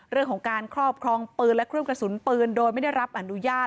เรื่องของการครอบครองปืนและเครื่องกระสุนปืนโดยไม่ได้รับอนุญาต